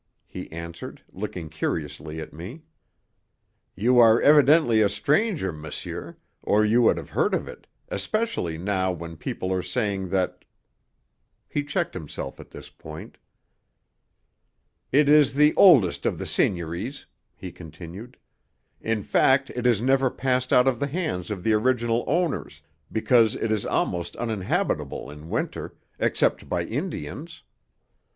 he answered, looking curiously at me. "You are evidently a stranger, monsieur, or you would have heard of it, especially now when people are saying that " He checked himself at this point. "It is the oldest of the seigniories," he continued. "In fact, it has never passed out of the hands of the original owners, because it is almost uninhabitable in winter, except by Indians.